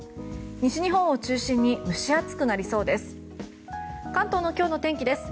西日本を中心に蒸し暑くなりそうです。